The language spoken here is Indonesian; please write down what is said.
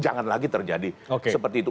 jangan lagi terjadi seperti itu